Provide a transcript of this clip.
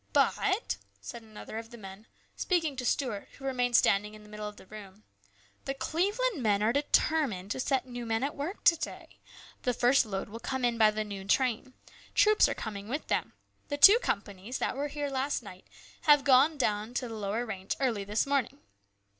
" But," said another of the men, speaking to Stuart, who remained standing in the middle of the room, " the Cleveland men are determined to set new men at work to day. The first load will come in by the noon train. Troops are coming with them. The two companies that were here last night have gone on down to the lower range early this morning.